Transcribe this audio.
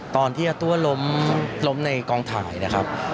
ตอนที่อาตั้วล้มในกองถ่ายนะครับ